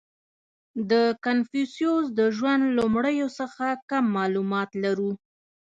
• د کنفوسیوس د ژوند لومړیو څخه کم معلومات لرو.